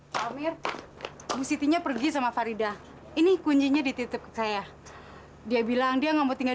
sampai jumpa di video selanjutnya